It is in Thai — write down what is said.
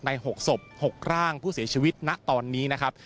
๖ศพ๖ร่างผู้เสียชีวิตณตอนนี้นะครับ